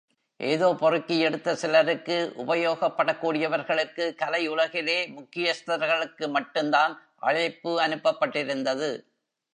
ஏதோ பொறுக்கி எடுத்த சிலருக்கு, உபயோகப்படக் கூடியவர்களுக்கு, கலை உலகிலே முக்கியஸ்தர்களுக்கு மட்டுந்தான் அழைப்பு அனுப்பப்பட்டிருந்தது.